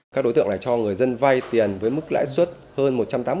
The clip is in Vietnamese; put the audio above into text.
các đối tượng này cho người dân vay tiền với mức lãi suất hơn một trăm tám mươi